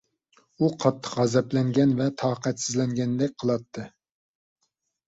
ئۇ قاتتىق غەزەپلەنگەن ۋە تاقەتسىزلەنگەندەك قىلاتتى.